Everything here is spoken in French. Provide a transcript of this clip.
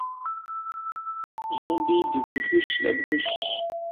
Zombie de Bruce LaBruce.